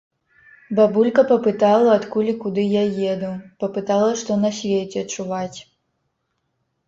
Бабулька папытала, адкуль і куды я еду, папытала, што на свеце чуваць.